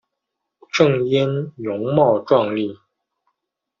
郑俨容貌壮丽。